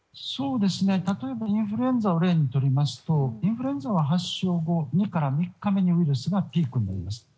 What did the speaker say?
例えば、インフルエンザを例にとりますとインフルエンザは発症後２から３日目にウイルスがピークになります。